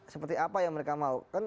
seperti apa yang mereka mau kan